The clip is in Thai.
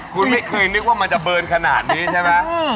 คุณไม่เคยนึกว่ามันจะเบิร์นขนาดนี้ใช่ไหม